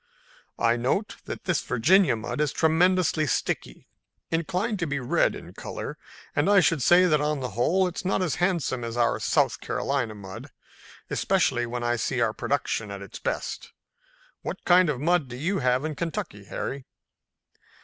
I note that this Virginia mud is tremendously sticky, inclined to be red in color, and I should say that on the whole it's not as handsome as our South Carolina mud, especially when I see our product at its best. What kind of mud do you have in Kentucky, Harry?"